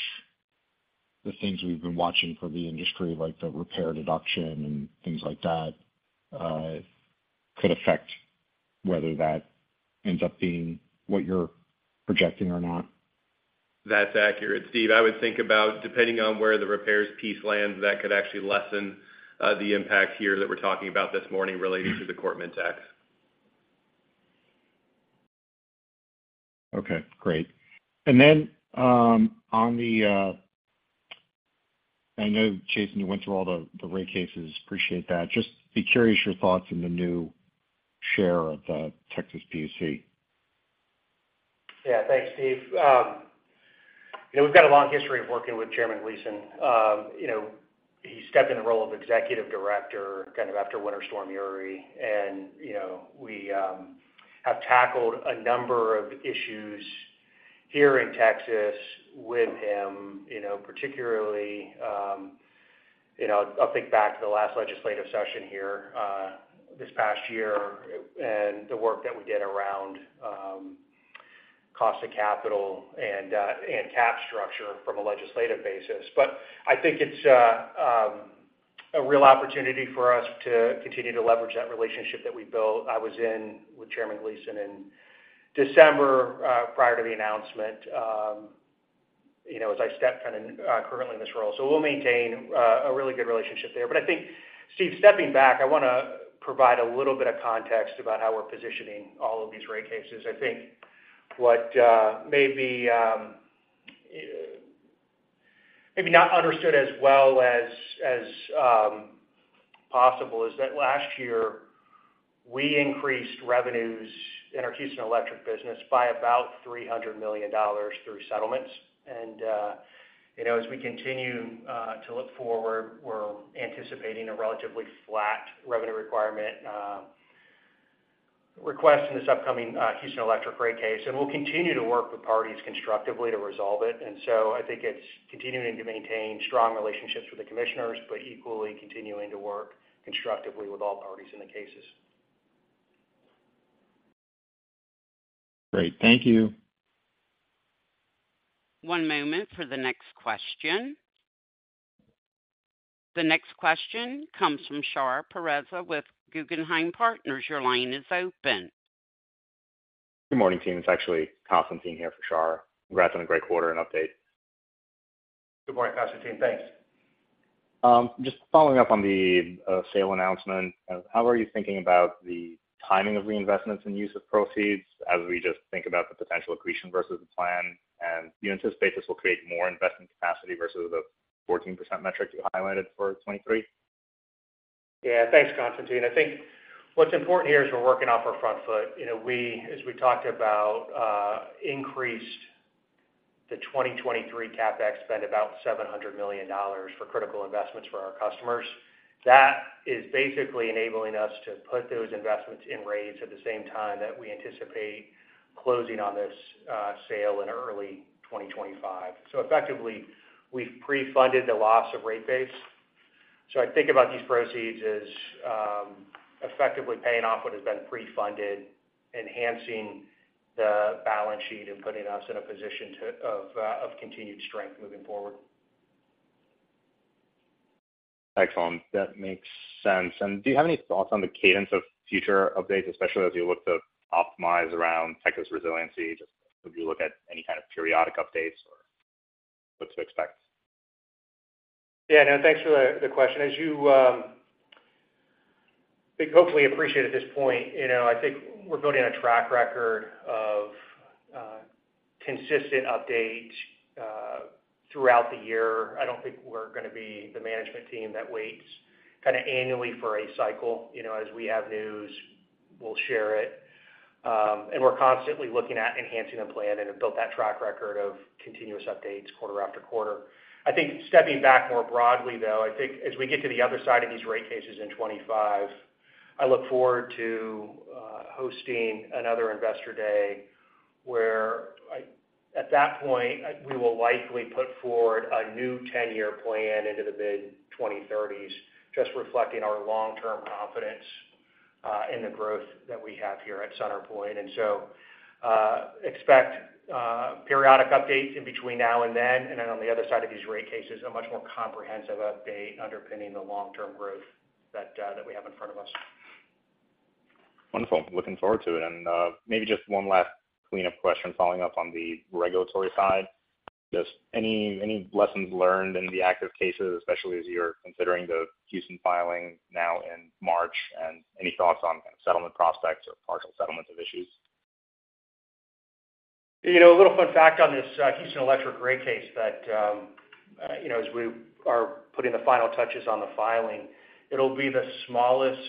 the things we've been watching for the industry, like the repair deduction and things like that, could affect whether that ends up being what you're projecting or not? That's accurate, Steve. I would think about depending on where the repairs piece lands, that could actually lessen the impact here that we're talking about this morning relating to the corporate minimum tax. Okay. Great. And then, you know, Jason, you went through all the rate cases. Appreciate that. Just curious, your thoughts on the new chair of the Texas PUC. Yeah. Thanks, Steve. We've got a long history of working with Chairman Gleeson. He stepped in the role of executive director kind of after Winter Storm Uri. And we have tackled a number of issues here in Texas with him, particularly, I'll think back to the last legislative session here this past year and the work that we did around cost of capital and cap structure from a legislative basis. But I think it's a real opportunity for us to continue to leverage that relationship that we built. I was in with Chairman Gleeson in December prior to the announcement as I stepped kind of currently in this role. So we'll maintain a really good relationship there. But I think, Steve, stepping back, I want to provide a little bit of context about how we're positioning all of these rate cases. I think what may be maybe not understood as well as possible is that last year, we increased revenues in our Houston Electric business by about $300 million through settlements. As we continue to look forward, we're anticipating a relatively flat revenue request in this upcoming Houston Electric rate case. We'll continue to work with parties constructively to resolve it. So I think it's continuing to maintain strong relationships with the commissioners, but equally continuing to work constructively with all parties in the cases. Great. Thank you. One moment for the next question. The next question comes from Shar Pourreza with Guggenheim Partners. Your line is open. Good morning, team. It's actually Constantine here for Shar. Congrats on a great quarter and update. Good morning, Constantine. Thanks. Just following up on the sale announcement, how are you thinking about the timing of reinvestments and use of proceeds as we just think about the potential accretion versus the plan? And do you anticipate this will create more investment capacity versus the 14% metric you highlighted for 2023? Yeah. Thanks, Constantine. I think what's important here is we're working off our front foot. As we talked about, increased the 2023 CapEx spend about $700 million for critical investments for our customers. That is basically enabling us to put those investments in rates at the same time that we anticipate closing on this sale in early 2025. So effectively, we've pre-funded the loss of rate base. So I think about these proceeds as effectively paying off what has been pre-funded, enhancing the balance sheet, and putting us in a position of continued strength moving forward. Excellent. That makes sense. Do you have any thoughts on the cadence of future updates, especially as you look to optimize around Texas resiliency? Just would you look at any kind of periodic updates or what to expect? Yeah. No. Thanks for the question. As you hopefully appreciate at this point, I think we're building a track record of consistent updates throughout the year. I don't think we're going to be the management team that waits kind of annually for a cycle. As we have news, we'll share it. And we're constantly looking at enhancing the plan and have built that track record of continuous updates quarter after quarter. I think stepping back more broadly, though, I think as we get to the other side of these rate cases in 2025, I look forward to hosting another investor day where at that point, we will likely put forward a new 10-year plan into the mid-2030s, just reflecting our long-term confidence in the growth that we have here at CenterPoint. Expect periodic updates in between now and then, and then on the other side of these rate cases, a much more comprehensive update underpinning the long-term growth that we have in front of us. Wonderful. Looking forward to it. And maybe just one last cleanup question following up on the regulatory side. Just any lessons learned in the active cases, especially as you're considering the Houston filing now in March, and any thoughts on kind of settlement prospects or partial settlements of issues? A little fun fact on this Houston Electric rate case that as we are putting the final touches on the filing, it'll be the smallest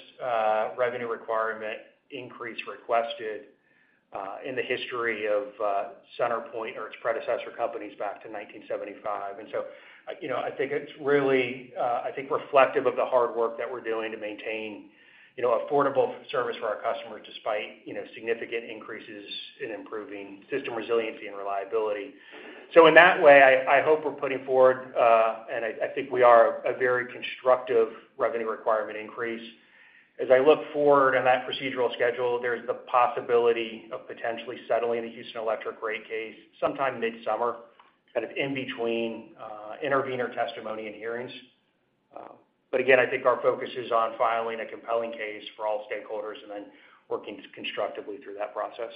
revenue requirement increase requested in the history of CenterPoint or its predecessor companies back to 1975. And so I think it's really I think reflective of the hard work that we're doing to maintain affordable service for our customers despite significant increases in improving system resiliency and reliability. So in that way, I hope we're putting forward and I think we are a very constructive revenue requirement increase. As I look forward on that procedural schedule, there's the possibility of potentially settling the Houston Electric rate case sometime midsummer, kind of in between intervenor testimony and hearings. But again, I think our focus is on filing a compelling case for all stakeholders and then working constructively through that process.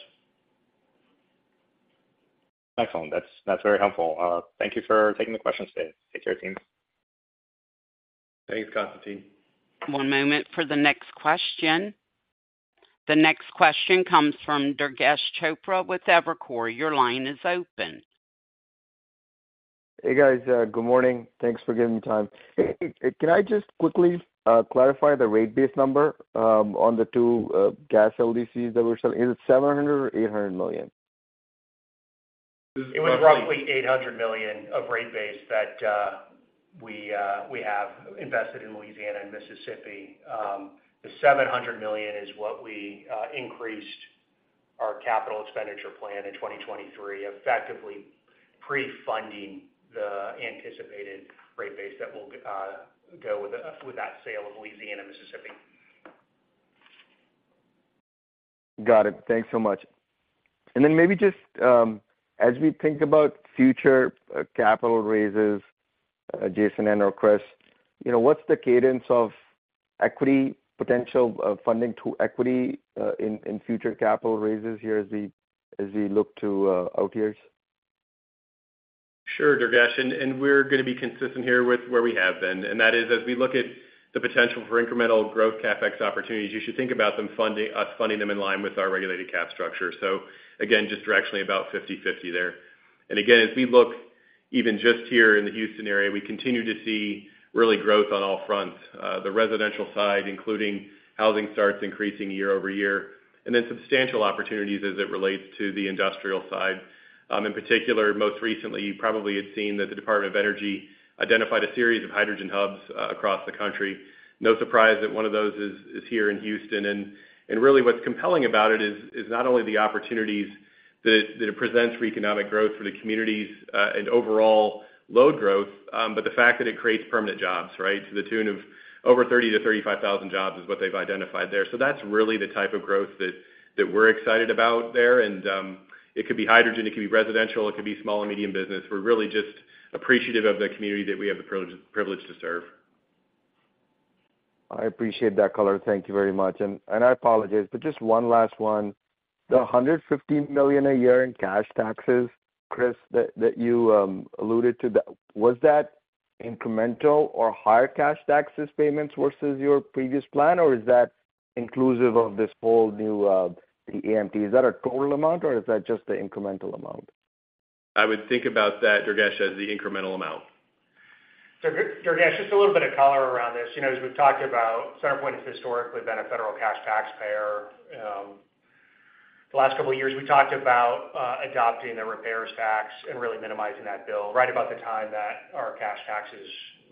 Excellent. That's very helpful. Thank you for taking the questions today. Take care, teams. Thanks, Constantine. One moment for the next question. The next question comes from Durgesh Chopra with Evercore. Your line is open. Hey, guys. Good morning. Thanks for giving me time. Can I just quickly clarify the rate base number on the two gas LDCs that we're selling? Is it $700 million or $800 million? It was roughly $800 million of rate base that we have invested in Louisiana and Mississippi. The $700 million is what we increased our capital expenditure plan in 2023, effectively pre-funding the anticipated rate base that will go with that sale of Louisiana and Mississippi. Got it. Thanks so much. And then maybe just as we think about future capital raises, Jason or Chris, what's the cadence of equity potential funding to equity in future capital raises here as we look to out years? Sure, Durgesh. And we're going to be consistent here with where we have been. And that is, as we look at the potential for incremental growth CapEx opportunities, you should think about us funding them in line with our regulated capital structure. So again, just directionally about 50/50 there. And again, as we look even just here in the Houston area, we continue to see really growth on all fronts, the residential side, including housing starts increasing year-over-year, and then substantial opportunities as it relates to the industrial side. In particular, most recently, you probably had seen that the Department of Energy identified a series of hydrogen hubs across the country. No surprise that one of those is here in Houston. Really, what's compelling about it is not only the opportunities that it presents for economic growth for the communities and overall load growth, but the fact that it creates permanent jobs, right? To the tune of over 30,000-35,000 jobs is what they've identified there. So that's really the type of growth that we're excited about there. It could be hydrogen. It could be residential. It could be small and medium business. We're really just appreciative of the community that we have the privilege to serve. I appreciate that color. Thank you very much. I apologize, but just one last one. The $150 million a year in cash taxes, Chris, that you alluded to, was that incremental or higher cash taxes payments versus your previous plan, or is that inclusive of this whole new the AMT? Is that a total amount, or is that just the incremental amount? I would think about that, Durgesh, as the incremental amount. So Durgesh, just a little bit of color around this. As we've talked about, CenterPoint has historically been a federal cash taxpayer. The last couple of years, we talked about adopting the repairs tax and really minimizing that bill right about the time that our cash taxes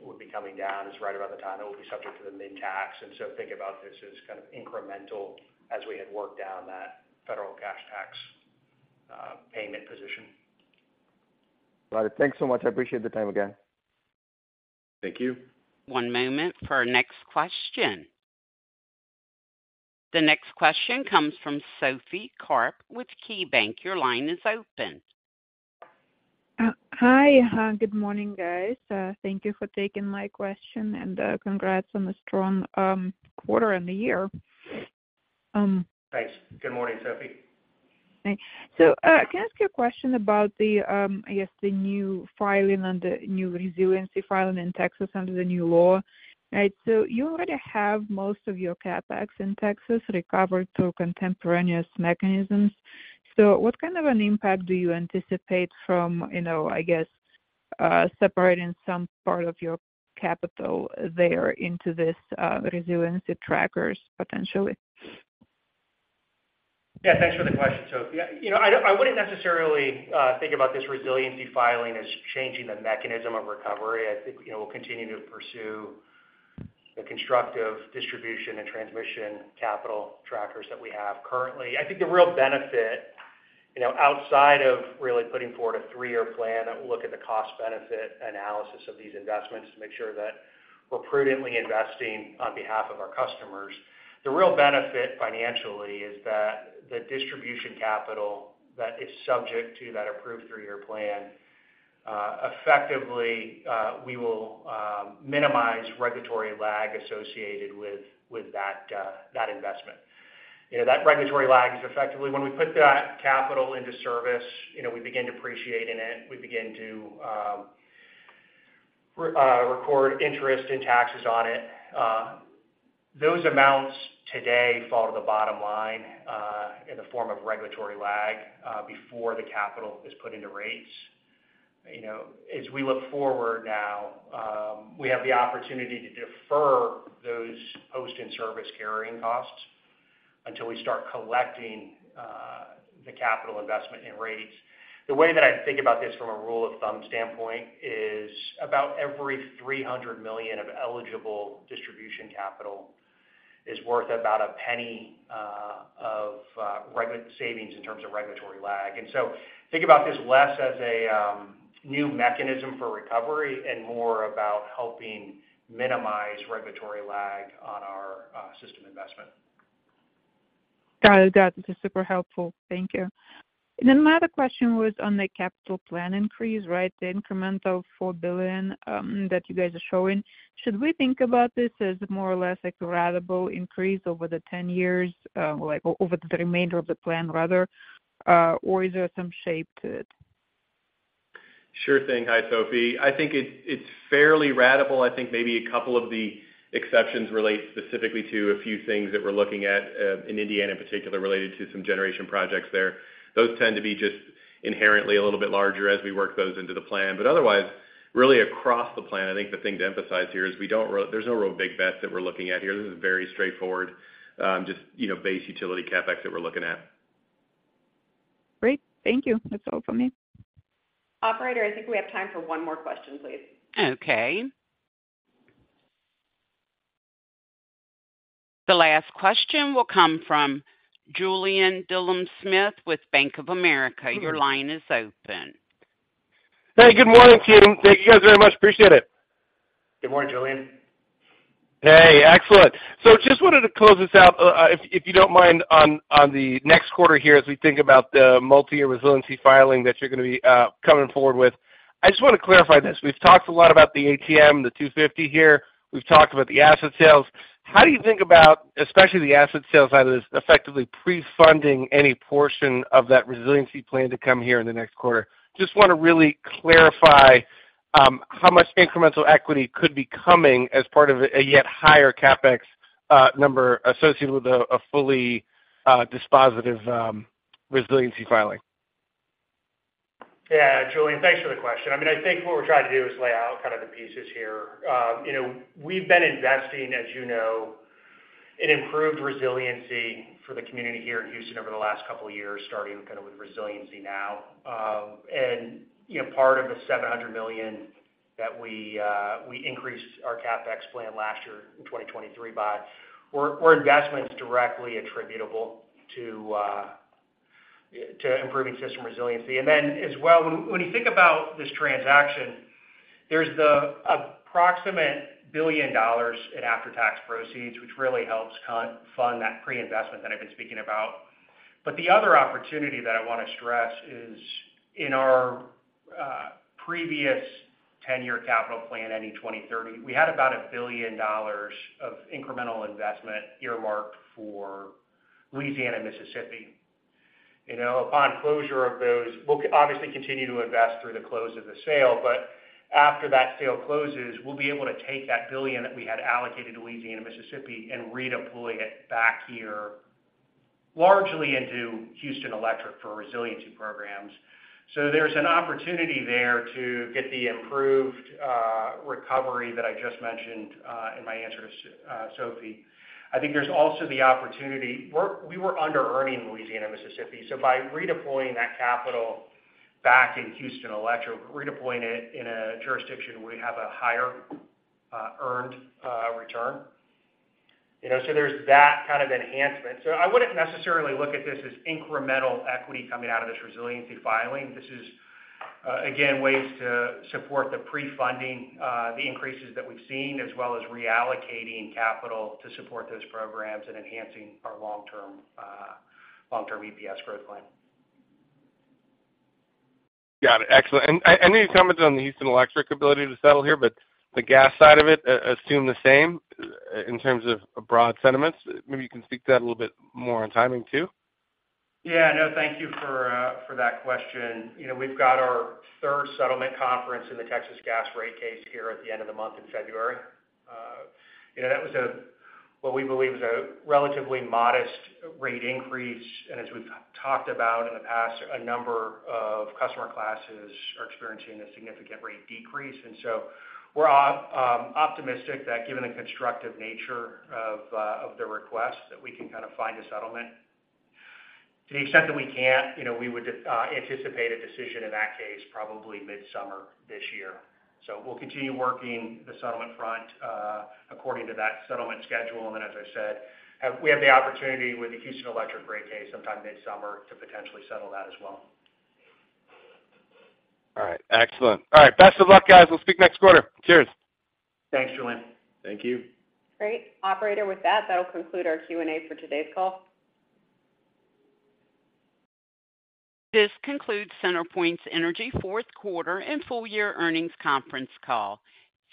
would be coming down is right about the time that we'll be subject to the min tax. And so think about this as kind of incremental as we had worked down that federal cash tax payment position. Got it. Thanks so much. I appreciate the time again. Thank you. One moment for our next question. The next question comes from Sophie Karp with KeyBanc. Your line is open. Hi. Good morning, guys. Thank you for taking my question. Congrats on a strong quarter and the year. Thanks. Good morning, Sophie. So can I ask you a question about, I guess, the new filing and the new resiliency filing in Texas under the new law, right? So you already have most of your CapEx in Texas recovered through contemporaneous mechanisms. So what kind of an impact do you anticipate from, I guess, separating some part of your capital there into these resiliency trackers, potentially? Yeah. Thanks for the question, Sophie. I wouldn't necessarily think about this resiliency filing as changing the mechanism of recovery. I think we'll continue to pursue the constructive distribution and transmission capital trackers that we have currently. I think the real benefit outside of really putting forward a three-year plan that will look at the cost-benefit analysis of these investments to make sure that we're prudently investing on behalf of our customers, the real benefit financially is that the distribution capital that is subject to that approved three-year plan, effectively, we will minimize regulatory lag associated with that investment. That regulatory lag is effectively when we put that capital into service, we begin depreciating it, we begin to record interest and taxes on it. Those amounts today fall to the bottom line in the form of regulatory lag before the capital is put into rates. As we look forward now, we have the opportunity to defer those post-in-service carrying costs until we start collecting the capital investment in rates. The way that I think about this from a rule-of-thumb standpoint is about every $300 million of eligible distribution capital is worth about a penny of savings in terms of regulatory lag. And so think about this less as a new mechanism for recovery and more about helping minimize regulatory lag on our system investment. Got it. Got it. This is super helpful. Thank you. And then my other question was on the capital plan increase, right? The incremental $4 billion that you guys are showing, should we think about this as more or less a gradable increase over the 10 years or over the remainder of the plan, rather, or is there some shape to it? Sure thing. Hi, Sophie. I think it's fairly gradual. I think maybe a couple of the exceptions relate specifically to a few things that we're looking at in Indiana in particular related to some generation projects there. Those tend to be just inherently a little bit larger as we work those into the plan. But otherwise, really across the plan, I think the thing to emphasize here is there's no real big bets that we're looking at here. This is very straightforward, just base utility CapEx that we're looking at. Great. Thank you. That's all from me. Operator, I think we have time for one more question, please. Okay. The last question will come from Julien Dumoulin-Smith with Bank of America. Your line is open. Hey. Good morning, team. Thank you guys very much. Appreciate it. Good morning, Julien. Hey. Excellent. So just wanted to close this out, if you don't mind, on the next quarter here as we think about the multi-year resiliency filing that you're going to be coming forward with. I just want to clarify this. We've talked a lot about the ATM, the $250 here. We've talked about the asset sales. How do you think about, especially the asset sales side of this, effectively pre-funding any portion of that resiliency plan to come here in the next quarter? Just want to really clarify how much incremental equity could be coming as part of a yet higher CapEx number associated with a fully dispositive resiliency filing. Yeah. Julien, thanks for the question. I mean, I think what we're trying to do is lay out kind of the pieces here. We've been investing, as you know, in improved resiliency for the community here in Houston over the last couple of years, starting kind of with resiliency now. And part of the $700 million that we increased our CapEx plan last year in 2023 by were investments directly attributable to improving system resiliency. And then as well, when you think about this transaction, there's the approximate $1 billion in after-tax proceeds, which really helps fund that pre-investment that I've been speaking about. But the other opportunity that I want to stress is in our previous 10-year capital plan, any 2030, we had about $1 billion of incremental investment earmarked for Louisiana and Mississippi. Upon closure of those, we'll obviously continue to invest through the close of the sale. But after that sale closes, we'll be able to take that $1 billion that we had allocated to Louisiana and Mississippi and redeploy it back here, largely into Houston Electric for resiliency programs. So there's an opportunity there to get the improved recovery that I just mentioned in my answer to Sophie. I think there's also the opportunity we were under-earning Louisiana and Mississippi. So by redeploying that capital back in Houston Electric, redeploying it in a jurisdiction where we have a higher earned return. So there's that kind of enhancement. So I wouldn't necessarily look at this as incremental equity coming out of this resiliency filing. This is, again, ways to support the pre-funding, the increases that we've seen, as well as reallocating capital to support those programs and enhancing our long-term EPS growth plan. Got it. Excellent. Any comments on the Houston Electric ability to settle here, but the gas side of it, assume the same in terms of broad sentiments? Maybe you can speak to that a little bit more on timing too. Yeah. No, thank you for that question. We've got our third settlement conference in the Texas Gas rate case here at the end of the month in February. That was what we believe was a relatively modest rate increase. And as we've talked about in the past, a number of customer classes are experiencing a significant rate decrease. And so we're optimistic that given the constructive nature of the request, that we can kind of find a settlement. To the extent that we can't, we would anticipate a decision in that case, probably midsummer this year. So we'll continue working the settlement front according to that settlement schedule. And then, as I said, we have the opportunity with the Houston Electric rate case sometime midsummer to potentially settle that as well. All right. Excellent. All right. Best of luck, guys. We'll speak next quarter. Cheers. Thanks, Julien. Thank you. Great. Operator, with that, that'll conclude our Q&A for today's call. This concludes CenterPoint Energy's fourth quarter and full-year earnings conference call.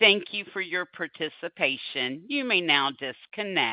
Thank you for your participation. You may now disconnect.